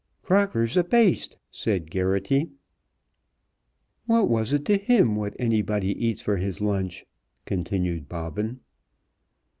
"Crocker's a baist," said Geraghty. "What was it to him what anybody eats for his lunch?" continued Bobbin.